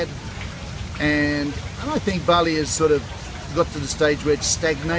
dan saya pikir bali sudah sampai di tahap yang sedikit stagnasi